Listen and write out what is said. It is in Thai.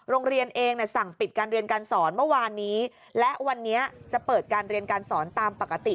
โรงเรียนเองสั่งปิดการเรียนการสอนเมื่อวานนี้และวันนี้จะเปิดการเรียนการสอนตามปกติ